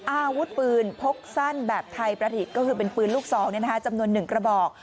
อาวุธปืนพกสั้นแบบไทยประถิตก็คือเป็นปืนลูกซองจำนวน๑กระบอก